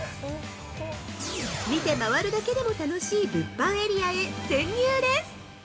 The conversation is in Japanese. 見てまわるだけでも楽しい物販エリアへ潜入です！